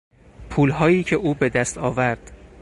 پولهایی که او به دست آورد.